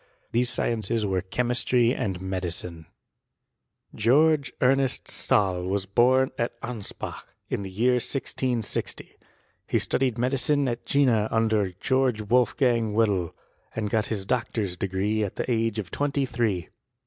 These sciences were chemistry and medicine. George Ernest Stahl was bom at Anspach, in the year 1660. He studied medicine at Jena under Greorge Wolfgang Wedel ; and got his doctor's degree at the age of twenty three.